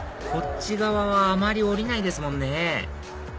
こっち側はあまり降りないですもんね